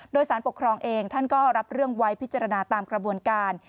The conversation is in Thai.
โดยสารปกครองเองท่านก็รับเรื่องไว้พิจารณาตามกระบวนการ